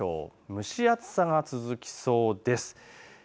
蒸し暑さが続きそうです。